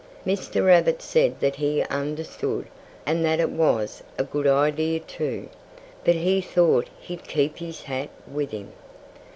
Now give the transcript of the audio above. Mr. Rabbit said that he understood, and that it was a good idea, too. But he thought he'd keep his hat with him.